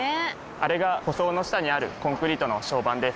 あれが舗装の下にあるコンクリートの床版です。